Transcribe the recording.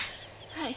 はい。